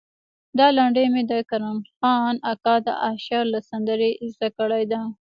دا لنډۍ مې د کرم خان اکا د اشر له سندرې زده کړې ده.